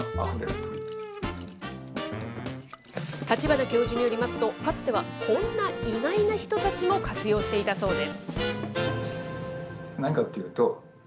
川が流れてますんで、下流に大雨立花教授によりますと、かつてはこんな意外な人たちも活用していたそうです。